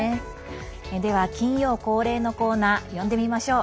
では、金曜恒例のコーナー呼んでみましょう！